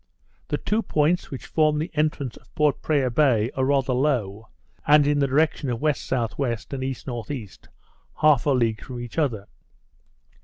The two points which form the entrance of Port Praya Bay are rather low, and in the direction of W.S.W. and E.N.E. half a league from each other.